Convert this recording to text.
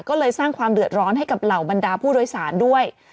ก็เลยสร้างความเดือดร้อนให้กับเหล่าบรรดาผู้โดยสารด้วย